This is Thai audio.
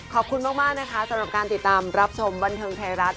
ขอบคุณมากนะคะสำหรับการติดตามรับชมบันเทิงไทยรัฐ